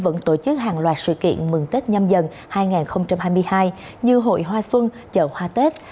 vẫn tổ chức hàng loạt sự kiện mừng tết nhâm dần hai nghìn hai mươi hai như hội hoa xuân chợ hoa tết